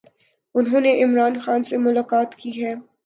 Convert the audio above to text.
انھوں نے عمران خان سے ملاقات کی ہے۔